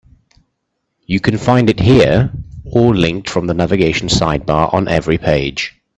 You can find it here, or linked from the navigation sidebar on every page.